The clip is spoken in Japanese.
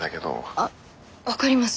あっ分かります。